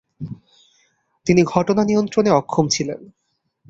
তিনি ঘটনা নিয়ন্ত্রণে অক্ষম ছিলেন।